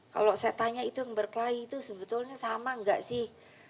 kalau saya tanya itu yang berkelahi itu sebetulnya sama nggak sih